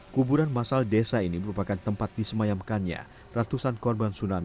kuburan masal desa ini merupakan tempat disemayamkannya ratusan korban tsunami